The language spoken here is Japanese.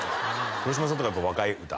黒島さんとかやっぱ若い歌？